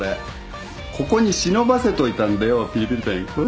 ここに忍ばせといたんだよピリピリペン。